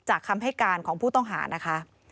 คำให้การของผู้ต้องหานะคะ